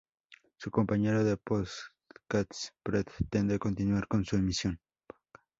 Su compañero de podcast pretende continuar con su emisión.